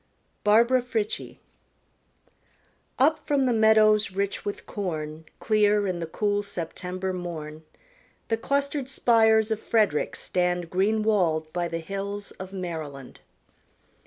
_ Barbara Frietchie Up from the meadows rich with corn Clear in the cool September morn, The clustered spires of Frederick stand Green walled by the hills of Maryland.